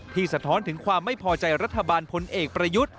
สะท้อนถึงความไม่พอใจรัฐบาลพลเอกประยุทธ์